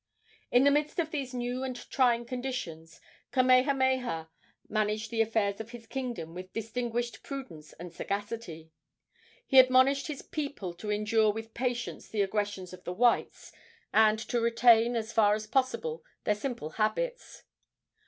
In the midst of these new and trying conditions Kamehameha managed the affairs of his kingdom with distinguished prudence and sagacity. He admonished his people to endure with patience the aggressions of the whites, and to retain, as far as possible, their simple habits.